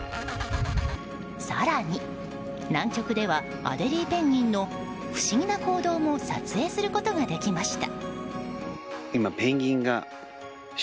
更に、南極ではアデリーペンギンの不思議な行動も撮影することができました。